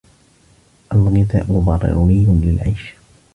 الغذاء ضروري للعيش.